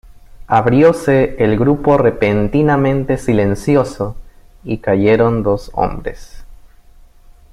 abrióse el grupo repentinamente silencioso, y cayeron dos hombres.